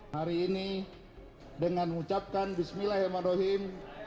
hari ini dengan mengucapkan bismillahirrahmanirrahim